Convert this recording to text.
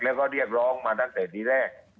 แล้วก็เรียกร้องมาตั้งแต่ที่แรก